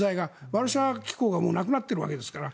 ワルシャワ機構がなくなってるわけですから。